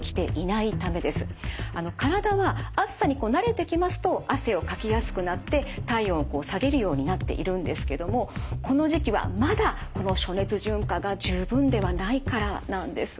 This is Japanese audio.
体は暑さに慣れてきますと汗をかきやすくなって体温をこう下げるようになっているんですけどもこの時期はまだこの暑熱順化が十分ではないからなんです。